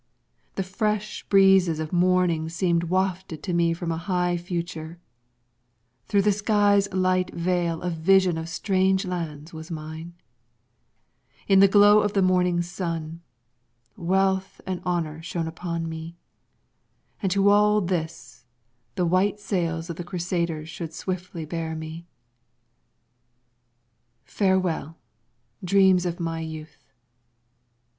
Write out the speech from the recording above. The fresh breezes of morning seemed wafted to me from a high future; through the sky's light veil a vision of strange lands was mine; in the glow of the morning sun, wealth and honor shone upon me; and to all this, the white sails of the Crusaders should swiftly bear me. Farewell, dreams of my youth!